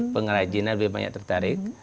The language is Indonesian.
pengrajin lebih banyak tertarik